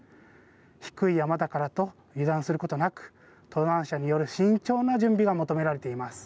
低い山だからと油断することなく、登山者による慎重な準備が求められています。